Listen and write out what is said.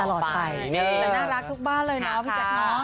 น่ารักทุกบ้านเลยนะพี่จัดน้อง